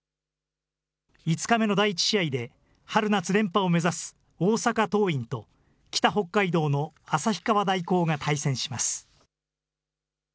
５日目の第１試合で春夏連覇を目指す大阪桐蔭と北北海道の旭川大高が対戦します。